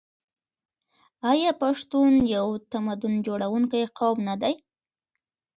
آیا پښتون یو تمدن جوړونکی قوم نه دی؟